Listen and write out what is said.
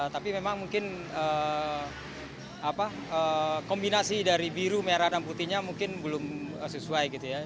tapi memang mungkin kombinasi dari biru merah dan putihnya mungkin belum sesuai gitu ya